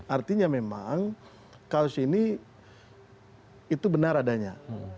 artinya memang kaos ini itu benar adanya